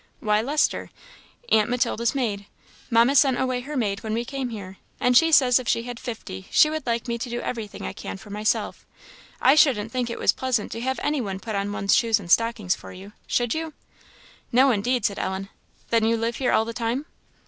"Why, Lester aunt Matilda's maid. Mamma sent away her maid when we came here, and she says if she had fifty she would like me to do everything I can for myself. I shouldn't think it was pleasant to have any one put on one's shoes and stockings for you, should you?" "No, indeed," said Ellen. "Then you live here all the time?"